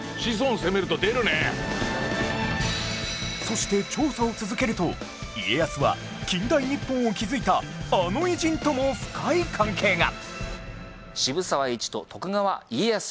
そして調査を続けると家康は近代日本を築いたあの偉人とも深い関係が